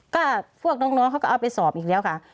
ก็พวกน้องเขาก็เอาไปสอบอีกแล้วค่ะ